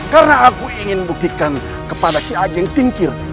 karena aku ingin buktikan kepada si ageng tingkir